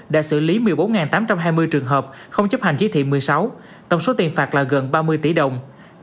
đã xử lý một mươi bốn tám trăm hai mươi trường hợp không chấp hành chỉ thị một mươi sáu tổng số tiền phạt là gần ba mươi tỷ đồng